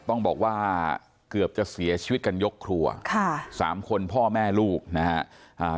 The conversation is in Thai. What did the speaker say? ต้องบอกว่าเกือบจะเสียชีวิตกันยกครัวค่ะสามคนพ่อแม่ลูกนะฮะ